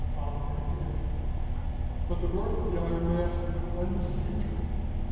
] of an heir, but the birth of the Iron Mask undeceived her.